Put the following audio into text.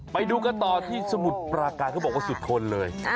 ไปดูกันต่อที่สมุทรปราการเขาบอกว่าสุดทนเลย